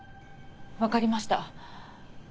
分かりました。